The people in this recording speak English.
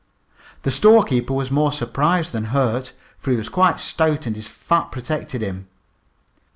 The storekeeper was more surprised than hurt, for he was quite stout and his fat protected him.